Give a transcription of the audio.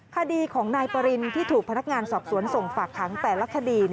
คดีของนายปรินที่ถูกพนักงานสอบสวนส่งฝากขังแต่ละคดี